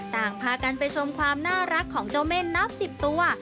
ต่างพากันไปชมความน่ารักของเจ้าเม่นนับ๑๐ตัว